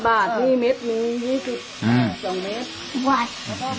๕บาทมีเม็ดมีเม็ดจุด